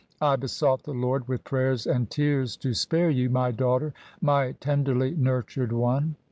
I besought the Lord with prayers and tears to spare you, my daughter, my tenderly nurtured one.